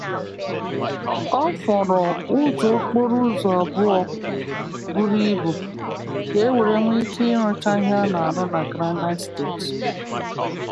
It remains a two-lane highway for most of its length in the Granite State.